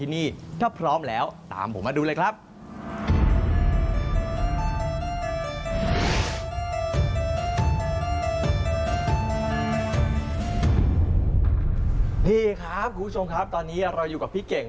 นี่ครับคุณผู้ชมครับตอนนี้เราอยู่กับพี่เก่ง